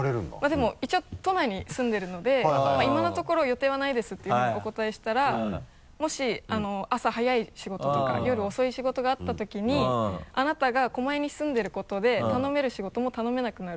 でも一応「都内に住んでるので今のところ予定はないです」ってお答えしたら「もし朝早い仕事とか夜遅い仕事があったときにあなたが狛江に住んでることで頼める仕事も頼めなくなる」と。